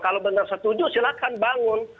kalau benar setuju silahkan bangun